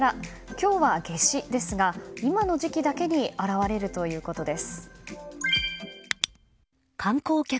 今日は夏至ですが今の時期だけに現れるということです。